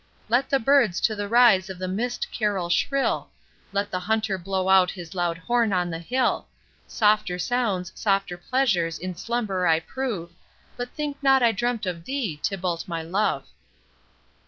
Let the birds to the rise of the mist carol shrill, Let the hunter blow out his loud horn on the hill, Softer sounds, softer pleasures, in slumber I prove,— But think not I dreamt of thee, Tybalt, my love.